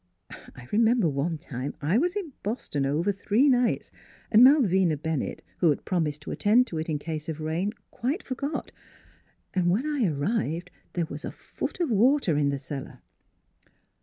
I remember one time I was in Boston over three nights and Malvina Bennett, who had promised to attend to it, in case of rain, quite forgot. And when I arrived, there was a foot of water in the cellar."